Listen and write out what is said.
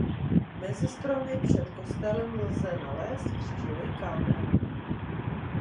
Mezi stromy před kostelem lze nalézt křížový kámen.